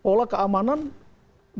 pola keamanan di